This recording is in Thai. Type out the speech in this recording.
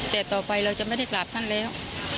แต่ต่อไปเราจะไม่ได้กราบท่านแล้ว